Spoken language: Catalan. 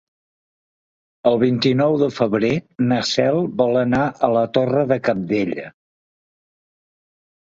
El vint-i-nou de febrer na Cel vol anar a la Torre de Cabdella.